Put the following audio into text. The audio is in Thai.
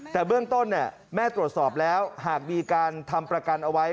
แต่เบื้องต้นแม่ตรวจสอบแล้วหากมีการทำประกันเอาไว้